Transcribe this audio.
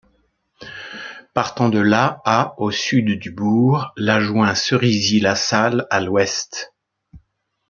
Partant de la à au sud du bourg, la joint Cerisy-la-Salle à l'ouest.